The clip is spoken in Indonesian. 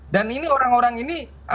dan ini orang orang ini